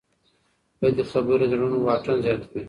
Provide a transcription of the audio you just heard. بدې خبرې د زړونو واټن زیاتوي.